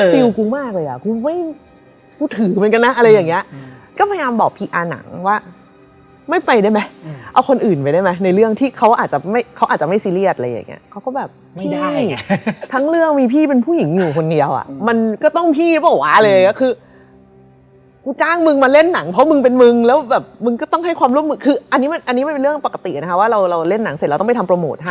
พอรู้ว่าได้เล่นเนี่ยก็ตกลงเรื่องค่าตัวใดกัน